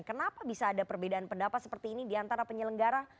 kenapa bisa ada perbedaan pendapat seperti ini diantara penyelenggara